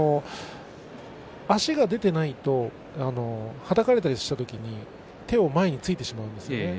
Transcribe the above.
足が出ていないとはたかれたりした時に手を前についてしまうんですね。